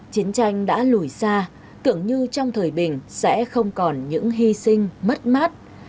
chiến tranh đã lùi xa tưởng như trong thời bình sẽ không còn những hy sinh mất mát